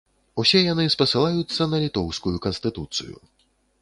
Усе яны спасылаюцца на літоўскую канстытуцыю.